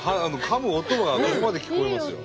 かむ音がここまで聞こえますよ。